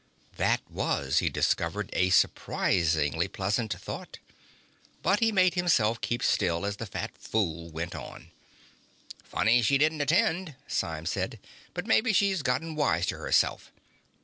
That was, he discovered, a surprisingly pleasant thought. But he made himself keep still as the fat fool went on. "Funny she didn't attend," Symes said. "But maybe she's gotten wise to herself.